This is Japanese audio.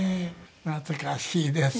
懐かしいですね。